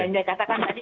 dan dia katakan tadi